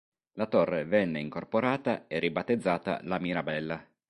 La torre venne incorporata e ribattezzata "La Mirabella".